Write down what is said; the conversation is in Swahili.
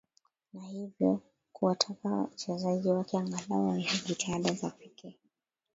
na hivyo kuwataka wachezaji wake angalao waonyeshe jitihada za pekee